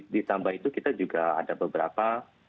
ditambah itu kita juga ada beberapa